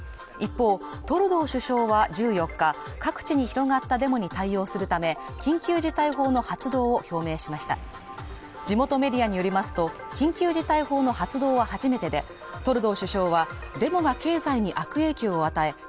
一方トルドー首相は１４日各地に広がったデモに対応するため緊急事態法の発動を表明しました地元メディアによりますと緊急事態法の発動は初めてでトルドー首相はデモが経済に悪影響を与え